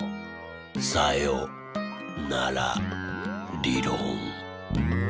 さよならりろん。